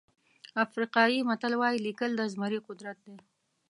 افریقایي متل وایي لیکل د زمري قدرت دی.